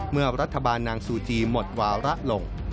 เมื่อรัฐบาลนางซูจีหมดวาระลง